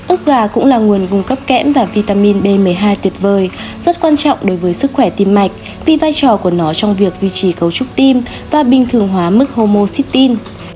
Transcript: ốc gà cũng là nguồn cung cấp kẽm và vitamin b một mươi hai tuyệt vời rất quan trọng đối với sức khỏe tim mạch vì vai trò của nó trong việc duy trì cấu trúc tim và bình thường hóa mức homo citye